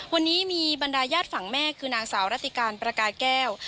วันนี้มีบรรดาญาติฝั่งแม่คือนางสาวรัติการประกายแก้ว